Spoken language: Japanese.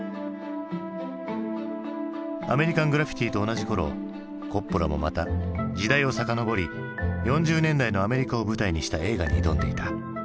「アメリカン・グラフィティ」と同じころコッポラもまた時代を遡り４０年代のアメリカを舞台にした映画に挑んでいた。